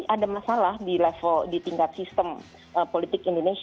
ada masalah di tingkat sistem politik indonesia